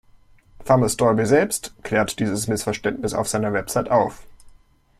Thomas Dolby selbst klärt dieses Missverständnis auf seiner Website auf.